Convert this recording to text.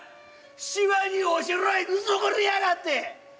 しわにおしろいぬすぐりやがって！